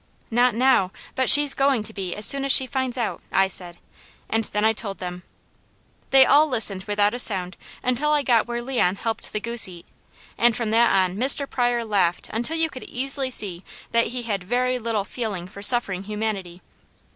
"Not now, but she's going to be as soon as she finds out," I said, and then I told them. They all listened without a sound until I got where Leon helped the goose eat, and from that on Mr. Pryor laughed until you could easily see that he had very little feeling for suffering humanity.